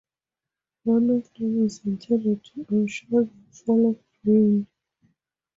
One of them is intended to ensure the fall of rain.